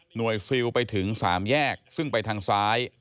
หน่วยซิลไปถึง๓แยกซึ่งไปทางซ้าย